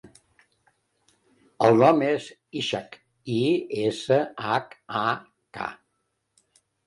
El nom és Ishak: i, essa, hac, a, ca.